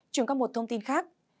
chúng ta có một thông tin khác